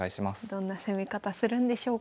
どんな攻め方するんでしょうか。